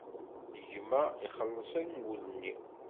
Gma ixelleṣ angul-nni.